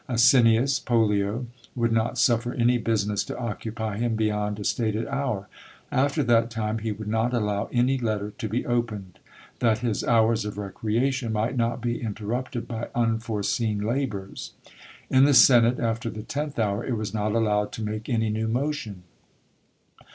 Asinius Pollio would not suffer any business to occupy him beyond a stated hour; after that time he would not allow any letter to be opened, that his hours of recreation might not be interrupted by unforeseen labours. In the senate, after the tenth hour, it was not allowed to make any new motion.